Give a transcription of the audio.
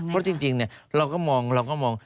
เพราะจริงเราก็มองเราก็มอง